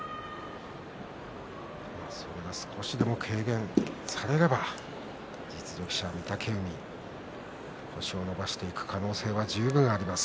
それが少しでも軽くなれば実力者、御嶽海、星を伸ばしてくる可能性は十分あります。